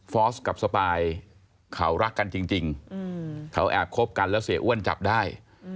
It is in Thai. อสกับสปายเขารักกันจริงเขาแอบคบกันแล้วเสียอ้วนจับได้